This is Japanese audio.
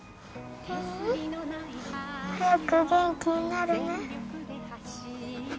ううん。早く元気になるね。